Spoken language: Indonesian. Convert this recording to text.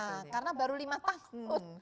nah karena baru lima tahun